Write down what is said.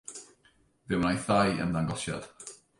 Fe wnaeth ddau ymddangosiad.